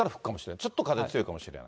ちょっと風強いかもしれない。